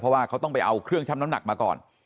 เพราะว่าเขาต้องไปเอาเครื่องชั่งน้ำหนักมาก่อน